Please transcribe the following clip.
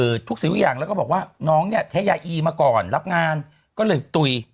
คือทุกสิ่งทุกอย่างแล้วก็บอกว่าน้องเนี่ยใช้ยาอีมาก่อนรับงานก็เลยตุ๋ย